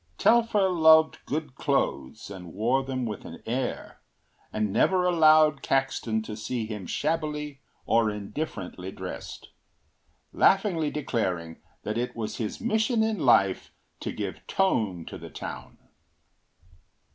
Telfer loved good clothes and wore them with an air, and never allowed Caxton to see him shabbily or indifferently dressed, laughingly declaring that it was his mission in life to give tone to the town.